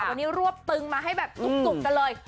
วันนี้รวบตึงมาให้แบบจุกกันเลย